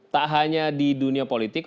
tak hanya di dunia politik